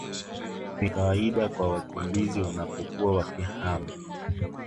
ni kawaida kwa wakimbizi wanapokuwa wakihama